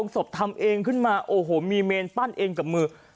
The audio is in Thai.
ศพทำเองขึ้นมาโอ้โหมีเมนปั้นเองกับมือ